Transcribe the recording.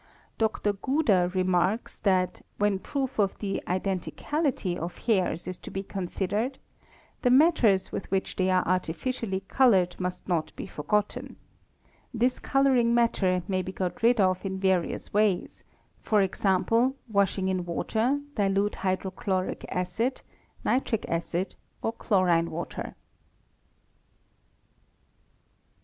| Dr. Guder remarks that, when proof of the '"identicality " of hairs is to be considered, the matters with which they are artificially coloured must not be forgotten; this colouring matter may be got rid of in vari ous Ways, ¢.g., washing in water, dilute hydrochloric acid, nitric acid, or chlorine water.